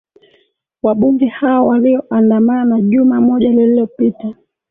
wabunge hao walioandamana juma moja lililopita